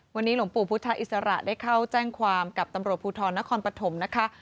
วันนี้หลวงปู่พุทธอิสระได้เข้าแจ้งความกับตำรวจภูทรนครปฐมนะคะ